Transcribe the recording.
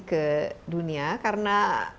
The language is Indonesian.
ke dunia karena